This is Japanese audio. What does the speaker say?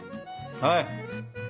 はい！